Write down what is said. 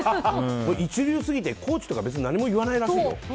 一流すぎてコーチとか何も言わないらしいよ。